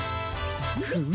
フム。